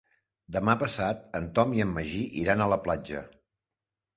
Demà passat en Tom i en Magí iran a la platja.